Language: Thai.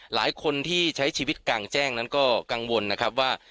หลายคนที่ใช้ชีวิตกลางแจ้งนั้นก็กังวลนะครับว่า